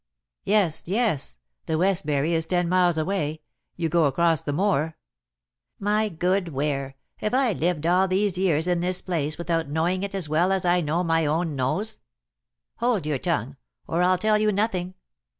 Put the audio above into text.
"Yes! yes! The Westbury is ten miles away. You go across the moor " "My good Ware, have I lived all these years in this place without knowing it as well as I know my own nose? Hold your tongue, or I'll tell you nothing.